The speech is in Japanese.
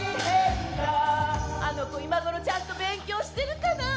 あの子今ごろちゃんと勉強してるかな？